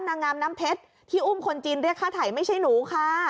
นางงามน้ำเพชรที่อุ้มคนจีนเรียกค่าไถ่ไม่ใช่หนูค่ะ